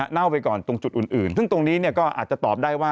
เน่าไปก่อนตรงจุดอื่นซึ่งตรงนี้ก็อาจจะตอบได้ว่า